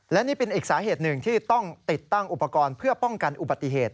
และนี่เป็นอีกสาเหตุหนึ่งที่ต้องติดตั้งอุปกรณ์เพื่อป้องกันอุบัติเหตุ